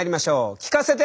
聞かせて！